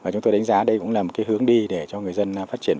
chúng tôi đánh giá đây cũng là một hướng đi để cho người dân phát triển